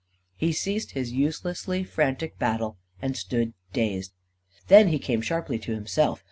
He ceased his uselessly frantic battle and stood dazed. Then he came sharply to himself.